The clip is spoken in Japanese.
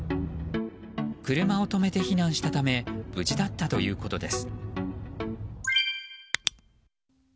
車を止めて避難したため無事だったということです。